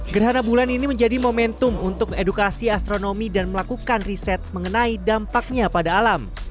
gerhana bulan ini menjadi momentum untuk edukasi astronomi dan melakukan riset mengenai dampaknya pada alam